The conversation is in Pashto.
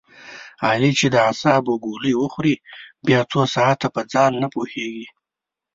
علي چې د اعصابو ګولۍ و خوري بیا څو ساعته په ځان نه پوهېږي.